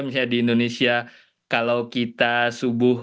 misalnya di indonesia kalau kita subuh